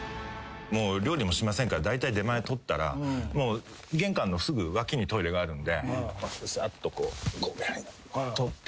料理もしませんからだいたい出前取ったら玄関のすぐ脇にトイレがあるんでさっとこう取って。